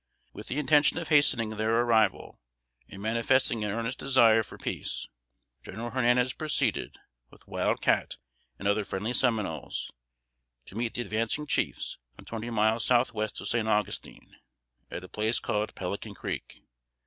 With the intention of hastening their arrival, and manifesting an earnest desire for peace, General Hernandez proceeded, with Wild Cat and other friendly Seminoles, to meet the advancing chiefs, some twenty miles south west of San Augustine, at a place called "Pelican Creek."